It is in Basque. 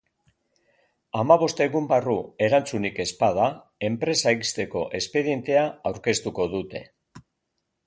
Hamabost egun barru erantzunik ez bada, enpresa ixteko espedientea aurkeztuko dute.